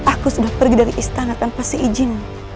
aku sudah pergi dari istana tanpa si ijinu